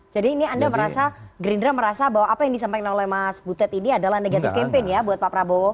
jadi ini anda merasa gerindra merasa bahwa apa yang disampaikan oleh mas budet ini adalah negatif campaign ya buat pak prabowo